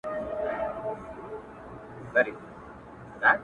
دعا ـ دعا ـ دعا ـدعا كومه ـ